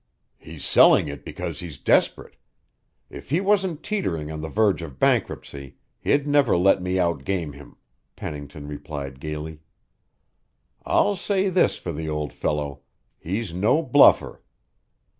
"He's selling it because he's desperate. If he wasn't teetering on the verge of bankruptcy, he'd never let me outgame him," Pennington replied gayly. "I'll say this for the old fellow: he's no bluffer.